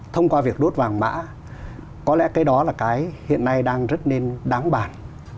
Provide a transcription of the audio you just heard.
thông qua việc đốt vàng mã có lẽ cái đó là cái hiện nay đang rất nên đáng bản